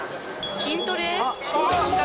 筋トレ。